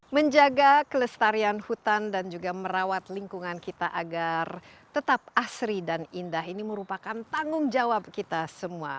menjaga kelestarian hutan dan juga merawat lingkungan kita agar tetap asri dan indah ini merupakan tanggung jawab kita semua